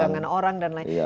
dengan orang dan lain lain